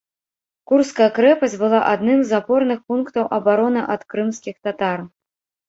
Курская крэпасць была адным з апорных пунктаў абароны ад крымскіх татар.